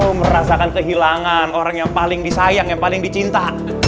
aku merasakan kehilangan orang yang paling disayang yang paling dicinta